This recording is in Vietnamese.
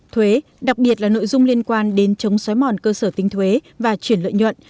thuế đặc biệt là nội dung liên quan đến chống xói mòn cơ sở tinh thuế và chuyển lợi nhuận